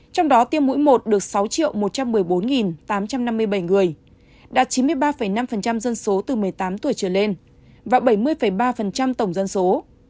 trong đó tiêm mũi một được sáu một trăm một mươi bốn tám trăm năm mươi bảy người đạt chín mươi ba năm dân số từ một mươi tám tuổi trở lên và bảy mươi ba tổng dân số